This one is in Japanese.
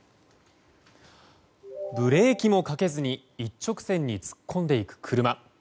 ブレーキもかけずに一直線に突っ込んでいく車。